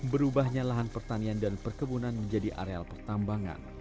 berubahnya lahan pertanian dan perkebunan menjadi areal pertambangan